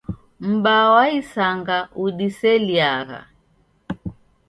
M'baa wa isanga udiseliagha.